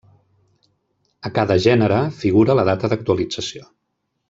A cada gènere figura la data d’actualització.